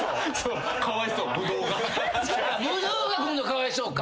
ブドウが今度かわいそうか。